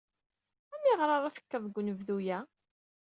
Aniɣer ara tekkeḍ deg unebdu-a?